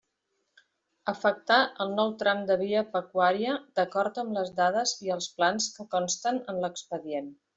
Afectar el nou tram de via pecuària d'acord amb les dades i els plans que consten en l'expedient.